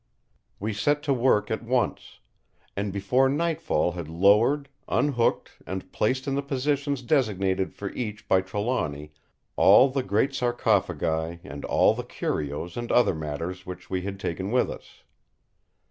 We set to work at once; and before nightfall had lowered, unhooked, and placed in the positions designated for each by Trelawny, all the great sarcophagi and all the curios and other matters which we had taken with us.